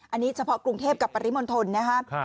อันนี้เฉพาะกรุงเทพกับปริมณฑลนะครับ